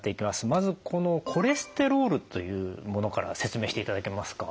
まずこのコレステロールというものから説明していただけますか？